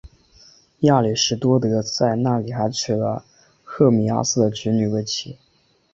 亚里士多德在那里还娶了赫米阿斯的侄女为妻。